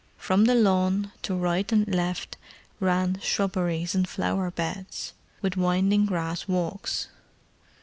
From the lawn, to right and left, ran shrubberies and flower beds, with winding grass walks.